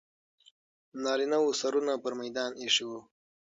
نارینه و سرونه پر میدان ایښي وو.